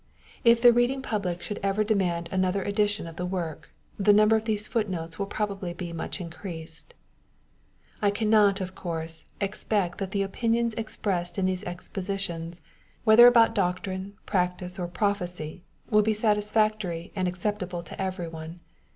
If the reading public should ever demand another edition of the work, the number of these foot notes will probably be much increased. I cannot, of course, expect that the opinions ex« pressed in these expositions, whether about doctrine, practice, or prophecy, will be satisfactory and acceptable to every one.